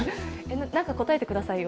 何か答えてくださいよ。